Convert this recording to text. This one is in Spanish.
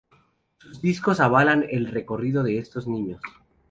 Sus discos avalan el recorrido de estos niños.